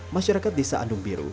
masyarakat desa andung biru